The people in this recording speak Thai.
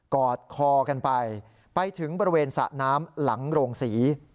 อดคอกันไปไปถึงบริเวณสระน้ำหลังโรงศรี